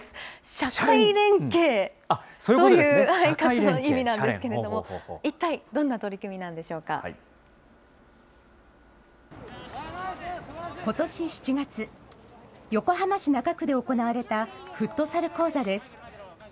社会連携という意味なんですけれども、一体どんな取り組みなんでことし７月、横浜市中区で行われたフットサル講座です。